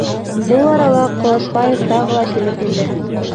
Ул арала Ҡылысбаев тағы ла килеп инде.